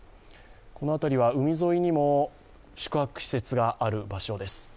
この辺りは海沿いにも宿泊施設がある場所です。